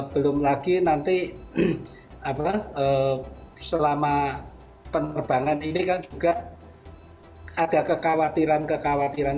belum lagi nanti selama penerbangan ini kan juga ada kekhawatiran kekhawatiran